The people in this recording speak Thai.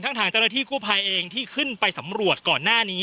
ทางเจ้าหน้าที่กู้ภัยเองที่ขึ้นไปสำรวจก่อนหน้านี้